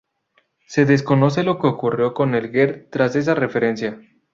Se desconoce lo que ocurrió con el ger tras esa referencia.